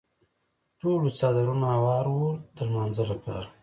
ټولو څادرونه هوار وو د لمانځه لپاره.